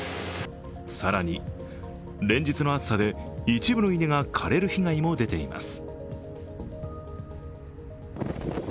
更に、連日の暑さで一部の稲が枯れる被害も出ています。